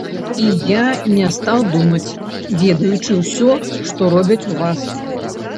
І я не стаў думаць, ведаючы ўсё, што робяць у вас.